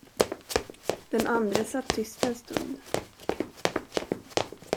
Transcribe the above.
Den andre satt tyst en stund.